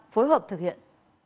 phối hợp thực hiện